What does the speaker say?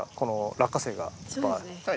落花生がいっぱい。